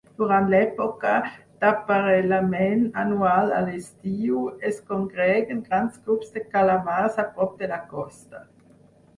Durant l"època d'aparellament anual a l"estiu, es congreguen grans grups de calamars a prop de la costa.